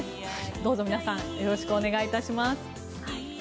どうぞ皆さんよろしくお願いいたします。